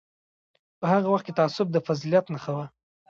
په هغه وخت کې تعصب د فضیلت نښه هم وه.